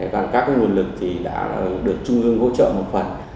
còn các nguồn lực thì đã được trung ương hỗ trợ một phần